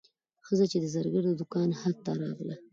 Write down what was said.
ښځه چې د زرګر د دوکان حد ته راغله.